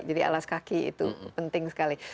jadi alas kaki itu penting sekali